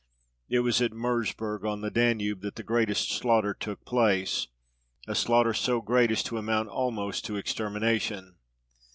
It was at Mersburg, on the Danube, that the greatest slaughter took place, a slaughter so great as to amount almost to extermination.